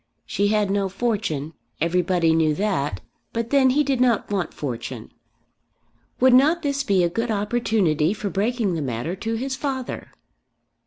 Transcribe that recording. She had no fortune; everybody knew that; but then he did not want fortune. Would not this be a good opportunity for breaking the matter to his father?